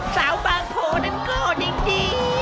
สาวบางโพนั้นก็ดี